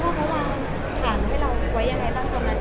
คุณพ่อเขาอยากให้เราไว้อย่างไรบ้าง